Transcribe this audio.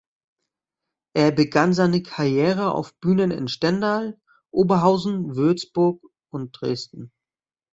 Er begann seine Karriere auf Bühnen in Stendal, Oberhausen, Würzburg und Dresden.